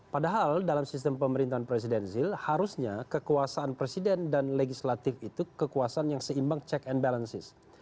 padahal dalam sistem pemerintahan presidensil harusnya kekuasaan presiden dan legislatif itu kekuasaan yang seimbang check and balances